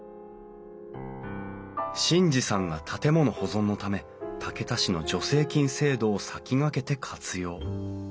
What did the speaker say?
眞二さんが建物保存のため竹田市の助成金制度を先駆けて活用。